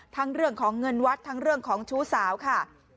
เรื่องของเงินวัดทั้งเรื่องของชู้สาวค่ะ